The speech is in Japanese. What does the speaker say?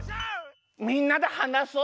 みんなではなそう。